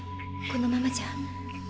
このままじゃ。